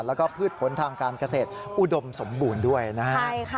แล้วก็พืชผลทางการเกษตรอุดมสมบูรณ์ด้วยนะฮะ